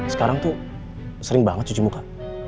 sekarang tuh sering banget cuci muka